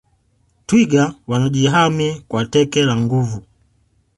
twiga wanajihami kwa teke la nguvu